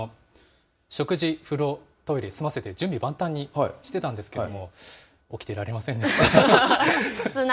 食事、風呂、トイレ、済ませて準備万端にしてたんですけれども、起きてられませんでし素直。